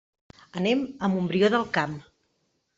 Anem a Montbrió del Camp.